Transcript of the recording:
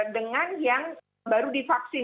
dengan yang baru divaksin